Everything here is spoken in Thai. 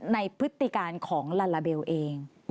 พฤติการของลาลาเบลเอง